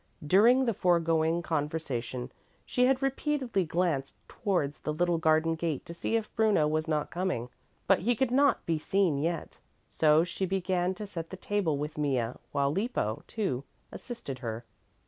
During the foregoing conversation she had repeatedly glanced towards the little garden gate to see if Bruno was not coming, but he could not be seen yet. So she began to set the table with Mea, while Lippo, too, assisted her.